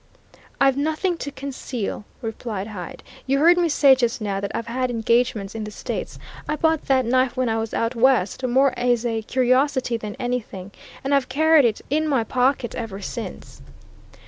"I've nothing to conceal," replied Hyde. "You heard me say just now that I'd had engagements in the States. I bought that knife when I was out West more as a curiosity than anything and I've carried it in my pocket ever since."